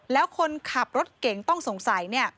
แล้วคนขับรถเก่งต้องสงสัยเนี่ย